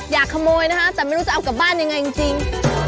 อยากขโมยนะคะแต่ไม่รู้จะเอากลับบ้านยังไงจริง